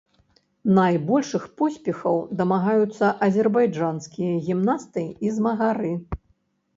Найбольшых поспехаў дамагаюцца азербайджанскія гімнасты і змагары.